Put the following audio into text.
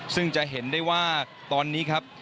ซึ่งจะเห็นได้ว่าตอนนี้ครับ